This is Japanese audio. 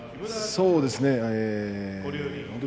そうですね。